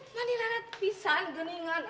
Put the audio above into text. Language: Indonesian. nanti lelet pisan geningan